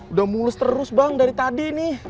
udah mulus terus bang dari tadi nih